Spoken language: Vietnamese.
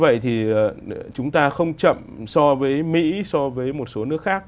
vậy thì chúng ta không chậm so với mỹ so với một số nước khác